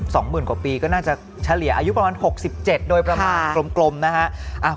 สองหมื่นกว่าปีก็น่าจะเฉลี่ยอายุประมาณ๖๗โดยประมาณกลมนะคะ